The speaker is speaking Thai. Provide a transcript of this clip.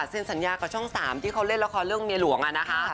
สัญญากับช่อง๓ที่เขาเล่นละครเรื่องเมียหลวงนะคะ